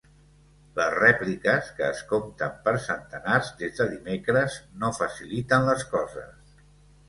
Les rèpliques, que es compten per centenars des de dimecres, no faciliten les coses.